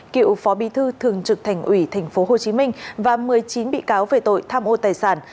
cựu phó bí thư thường trực thành ủy tp hcm và một mươi chín bị cáo về tội tham ô tài sản